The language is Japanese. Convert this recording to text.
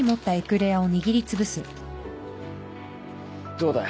どうだよ？